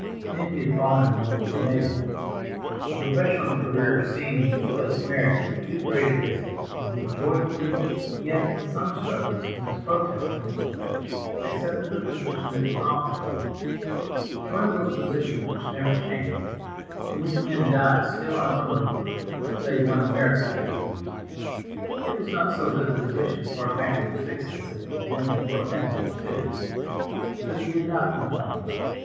Then he had fallen in love with Nettie; a professional career seemed to place marriage at too great a distance, and he had joyfully, yet with some struggles in his protesting intellect, accepted a position that was offered to him—one of those positions which never change, in which men die still unpromoted, save when a miracle intervenes. It was not so good a position for a family of six as it had been for a family of two, but he did not complain.